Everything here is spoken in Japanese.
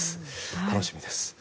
楽しみです。